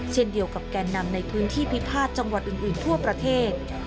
เช่นเดียวกับแกนนำในพื้นที่พิพาทจังหวัดอื่นทั่วประเทศ